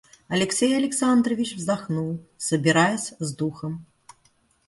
Алексей Александрович вздохнул, собираясь с духом.